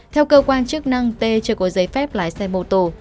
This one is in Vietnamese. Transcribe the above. theo cơ quan chức năng tê chưa có giấy phép lái xe mô tô